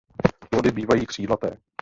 Plody bývají křídlaté.